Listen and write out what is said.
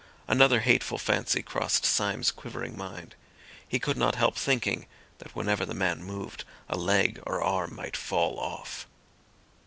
Another hateful fancy crossed Syme's quivering mind. He could not help thinking that whenever the man moved a leg or arm might fall off.